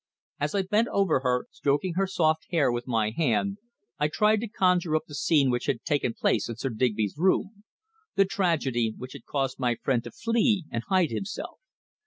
As I bent over her, stroking her soft hair with my hand, I tried to conjure up the scene which had taken place in Sir Digby's room the tragedy which had caused my friend to flee and hide himself.